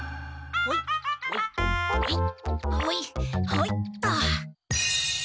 はいっと。